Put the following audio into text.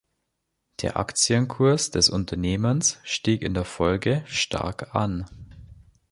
Der Aktienkurs des Unternehmens stieg in der Folge stark an.